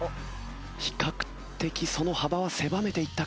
比較的その幅は狭めていったか？